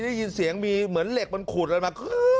ได้ยินเสียงมีเหมือนเหล็กมันขูดอะไรมา